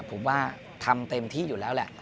ผมว่าทำเต็มที่อยู่แล้วแหละ